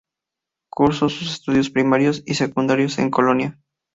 Cursó sus estudios primarios y secundarios en Colonia.